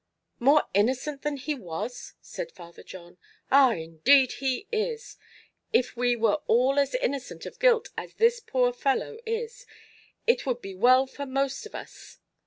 "More innocent than he was!" said Father John. "Ah, indeed he is! If we were all as innocent of guilt as this poor fellow is, it would be well for most of us.